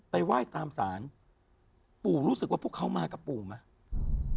ไหว้ตามศาลปู่รู้สึกว่าพวกเขามากับปู่ไหม